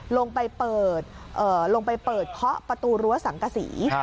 ลงไปเปิดเขาะประตูรั้วสังกษี